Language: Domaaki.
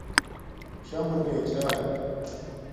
شݳ مُنݺ چھݳئی.